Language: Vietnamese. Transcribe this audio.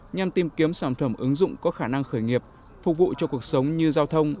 nhằm tìm kiếm sản phẩm ứng dụng có khả năng khởi nghiệp phục vụ cho cuộc sống như giao thông